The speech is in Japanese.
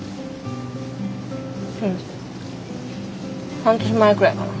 うん半年前ぐらいかな。